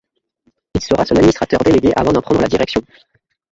Il sera administrateur délégué avant d'en prendre la direction.